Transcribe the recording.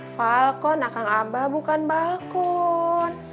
falkon akang abah bukan balkon